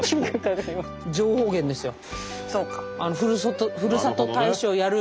情報源ですよ。